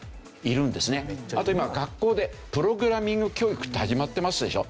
あと今学校でプログラミング教育って始まってますでしょう。